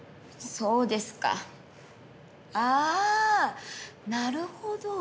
そうですかあなるほど。